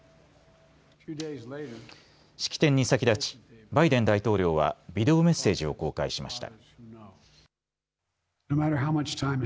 式典に先立ちバイデン大統領はビデオメッセージを公開しました。